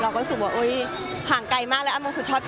เราก็รู้สึกว่าห่างไกลมากแล้วมันคือชอบกินอะ